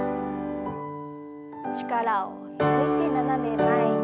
力を抜いて斜め前に。